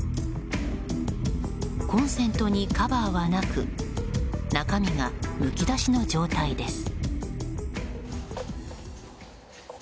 コンセントにカバーはなく中身がむき出しの状態です。